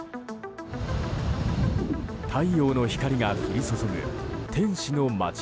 太陽の光が降り注ぐ天使の街